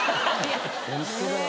ホントだよ。